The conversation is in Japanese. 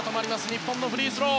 日本のフリースロー。